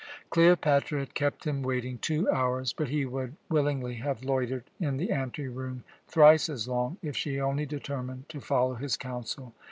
Cleopatra had kept him waiting two hours, but he would willingly have loitered in the anteroom thrice as long if she only determined to follow his counsel.